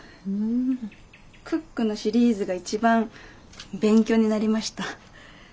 「クック」のシリーズが一番勉強になりました。